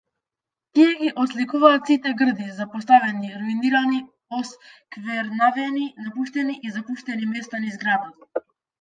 Тие ги отсликуваат сите грди, запоставени, руинирани, осквернавени, напуштени и запуштени места низ градот.